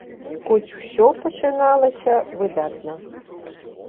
Хоць усё пачыналася выдатна.